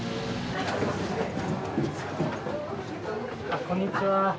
あっこんにちは。